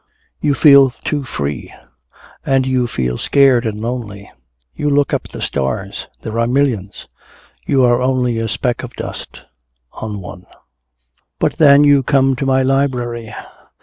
You feel too free. And you feel scared and lonely. You look up at the stars. There are millions. You are only a speck of dust on one. "But then you come to my library.